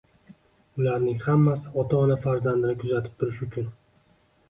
Ularning hammasi ota-ona farzandini kuzatib turish uchun